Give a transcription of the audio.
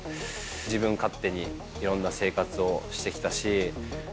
自分勝手にいろんな生活をしてきたし。